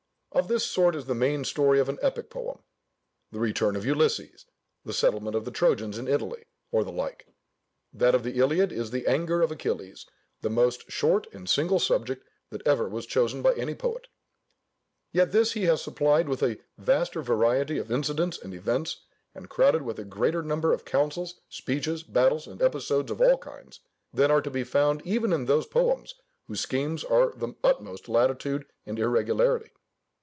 Of this sort is the main story of an epic poem, "The return of Ulysses, the settlement of the Trojans in Italy," or the like. That of the Iliad is the "anger of Achilles," the most short and single subject that ever was chosen by any poet. Yet this he has supplied with a vaster variety of incidents and events, and crowded with a greater number of councils, speeches, battles, and episodes of all kinds, than are to be found even in those poems whose schemes are of the utmost latitude and irregularity.